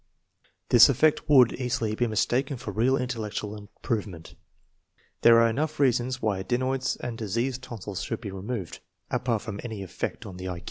This effect would easily be mistaken for real intellectual improvement. There are enough reasons why adenoids and diseased tonsils should be removed, apart from any effect on thelQ.